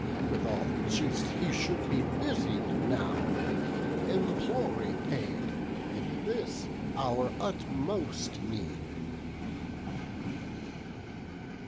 With all the chiefs he should be busied now, Imploring aid, in this our utmost need."